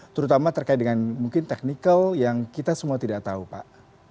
terutama terkait dengan mungkin technical yang kita semua tidak tahu pak